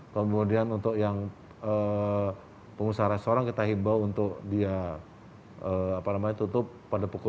kemudian untuk yang pengusaha restoran kita hibau untuk dia apa namanya tutup pada pukul dua puluh tiga